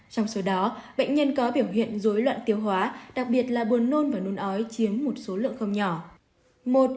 trong số đó bệnh nhân có biểu hiện dối loạn tiêu hóa đặc biệt là buồn nôn và nôn ói chiếm một số lượng không nhỏ